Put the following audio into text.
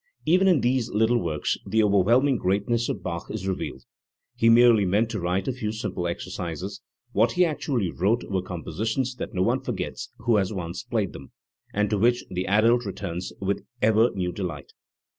Even in these little works the overwhelming greatness of Bach is revealed. He merely meant to write a few simple exercises; what he actually wrote were compositions that no one forgets who has once played them, and to which the adult returns with ever new delight.